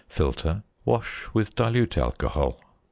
Filter, wash with dilute alcohol.